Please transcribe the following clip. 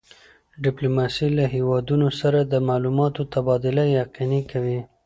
ډیپلوماسي له هېوادونو سره د معلوماتو تبادله یقیني کوي.